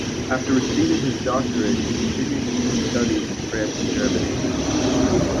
After receiving his doctorate, he continued his studies in France and Germany.